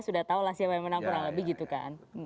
sudah tahulah siapa yang menang kurang lebih gitu kan